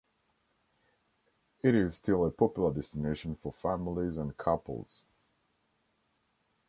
It is still a popular destination for families and couples.